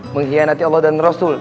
mengkhianati allah dan rasul